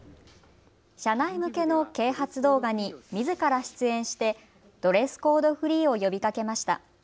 社内向けの啓発動画にみずから出演してドレスコードフリーを呼びかけました。